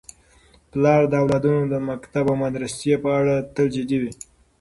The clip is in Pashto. پلار د اولادونو د مکتب او مدرسې په اړه تل جدي وي.